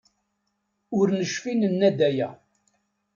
Ur necfi nenna-d aya.